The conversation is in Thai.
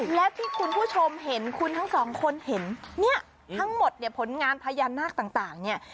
และที่คุณผู้ชมเห็นคุณทั้งสองคนเห็นเนี่ยทั้งหมดเนี่ยผลงานพญานาคต่างเนี่ย